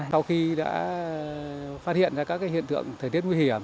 sau khi đã phát hiện ra các hiện tượng thời tiết nguy hiểm